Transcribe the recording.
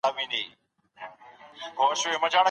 ستونزي څنګه په اسانۍ سره هوارېدای سي؟